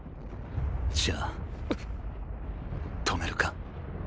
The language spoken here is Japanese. じゃあ止めるか？